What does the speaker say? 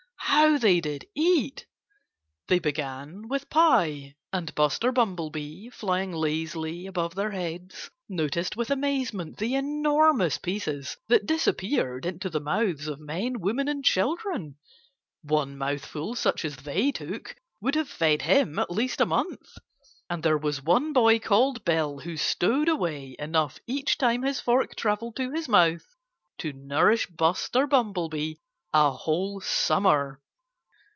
How they did eat! They began with pie. And Buster Bumblebee, flying lazily above their heads, noticed with amazement the enormous pieces that disappeared into the mouths of men, women and children. One mouthful such as they took would have fed him at least a month. And there was one boy called Bill who stowed away enough each time his fork traveled to his mouth to nourish Buster Bumblebee a whole summer.